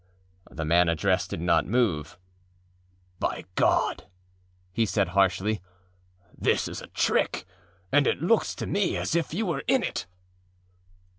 â The man addressed did not move. âBy God!â he said harshly, âthis is a trick, and it looks to me as if you were in it.